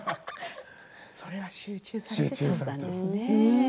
それは集中されていたんですね。